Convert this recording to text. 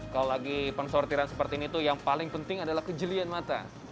kalau lagi pensortiran seperti ini tuh yang paling penting adalah kejelian mata